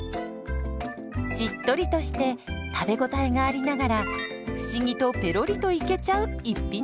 しっとりとして食べ応えがありながら不思議とペロリといけちゃう逸品です。